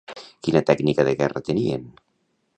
Quina tècnica de guerra tenien?